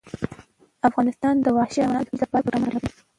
افغانستان د وحشي حیواناتو د ترویج لپاره پروګرامونه لري.